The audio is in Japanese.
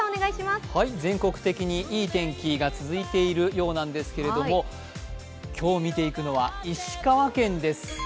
全国的にいい天気が続いているようなんですけれども今日見ていくのは石川県です。